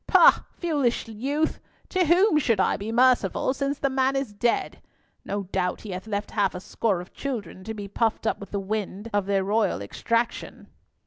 "Pah! foolish youth, to whom should I be merciful since the man is dead? No doubt he hath left half a score of children to be puffed up with the wind of their royal extraction."